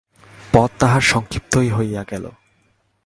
পথ তাহার সংক্ষিপ্তই হইয়া গেল।